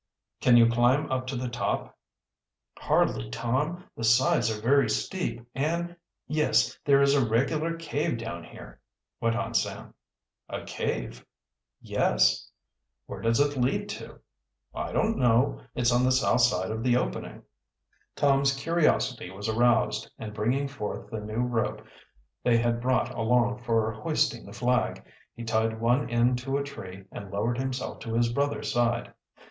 "Can you climb up to the top?" "Hardly, Tom, the sides are very steep, and yes, there is a regular cave down here," went on Sam. "A cave?" "Yes." "Where does it lead to?" "I don't know. It's on the south side of the opening." Tom's curiosity was aroused, and bringing forth the new rope they had brought along for hoisting the flag, he tied one end to a tree and lowered himself to his brother's side.